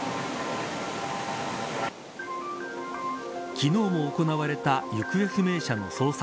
昨日も行われた行方不明者の捜索。